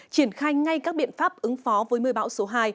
triển khai ngay các biện pháp ứng phó với mưa bão số hai